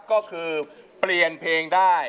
ก็คือเปลี่ยนเพลงได้